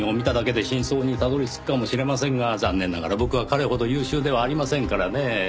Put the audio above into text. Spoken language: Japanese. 真相にたどり着くかもしれませんが残念ながら僕は彼ほど優秀ではありませんからね。